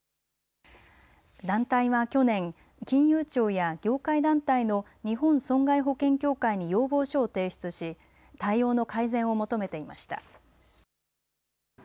団体は去年、金融庁や業界団体の日本損害保険協会に要望書を提出し対応の改善を求めていました。